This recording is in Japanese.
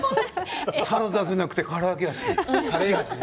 サラダじゃなくてから揚げやし。